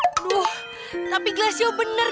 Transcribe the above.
aduh tapi glesio bener